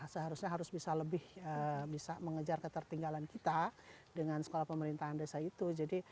seharusnya harus bisa lebih bisa mengejar ketertinggalan kita dengan sekolah pemerintahan desa itu